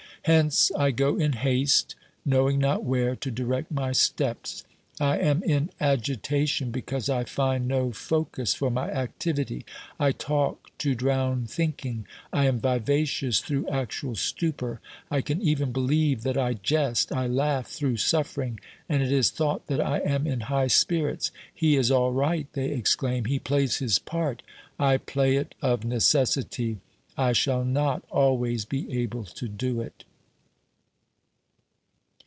Hence I go in haste, knowing not where to direct my stops ; I I90 OBERMANN am in agitation because I find no focus for my activity ; I talk to drown thinking; I am vivacious through actual stupor. I can even behave that I jest; I laugh through suffering, and it is thought that I am in high spirits. He is all right, they exclaim ; he plays his part. I play it of necessity ; I shall not always be able to do it.